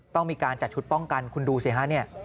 ต้องมีการจัดชุดป้องกันคุณดูสิฮะเนี่ย